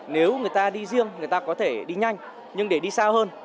nếu người ta đi riêng người ta có thể đi nhanh nhưng để đi xa hơn